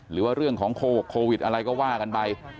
หรือว่าเรื่องของโควิดอะไรก็ว่ากันไป